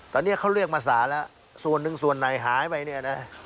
ตอนนี้เขาเรียกมาสารแล้วส่วนหนึ่งส่วนไหนหายไปเนี่ยนะ